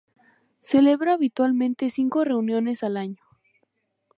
Celebra habitualmente cinco reuniones al año.